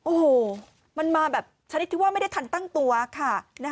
โอ้โหมันมาแบบชนิดที่ว่าไม่ได้ทันตั้งตัวค่ะ